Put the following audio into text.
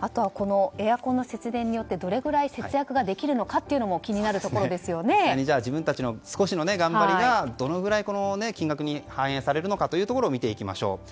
あとはエアコンの節電によってどれぐらい節約ができるのか自分たちの少しの頑張りがどのくらい金額に反映されるのかを見ていきましょう。